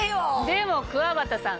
でもくわばたさん